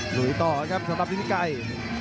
ลุยต่อครับสำหรับฤทธิไกร